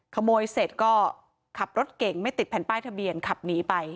ขโมยเสร็จก็ขับรถเก่งไม่ติดแผ่นป้ายทะเบียนขับหนีไป